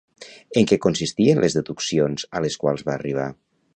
En què consistien les deduccions a les quals va arribar?